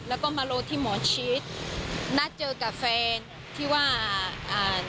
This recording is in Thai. แล้วก็มารอที่หมอชิดนัดเจอกับแฟนที่ว่าอ่า